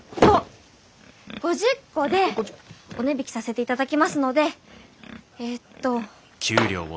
５０個でお値引きさせていただきますのでえっと。